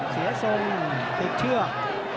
เสียทรงเต็กเทือก